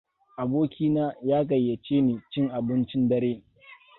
Abokina ya gayyaceni cin abincin dare.